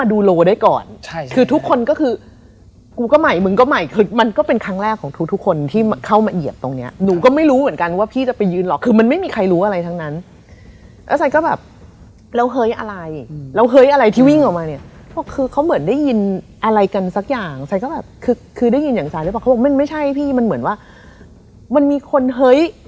เดี๋ยวอุ๋ยเอาเงินส่วนตัวอุ๋ยจ่ายให้ก็ได้อะไรอย่างเงี้ย